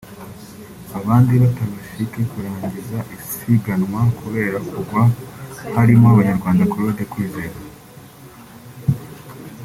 Abandi batabashike kurangiza isiganwa kubera kugwa harimo Abanyarwanda Claude Kwizera